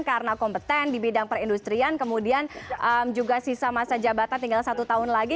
karena kompeten di bidang perindustrian kemudian juga sisa masa jabatan tinggal satu tahun lagi